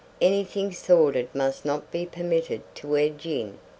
Anything sordid must not be permitted to edge in.